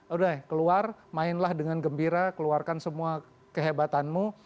udah keluar mainlah dengan gembira keluarkan semua kehebatanmu